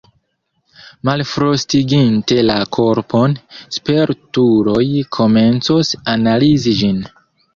Malfrostiginte la korpon, spertuloj komencos analizi ĝin.